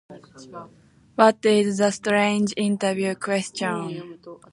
What is a strange interview question?